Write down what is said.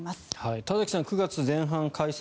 田崎さん９月前半解散